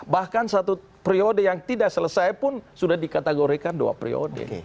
bahkan satu periode yang tidak selesai pun sudah dikategorikan dua periode